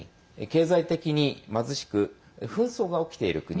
経済的に貧しく紛争が起きている国。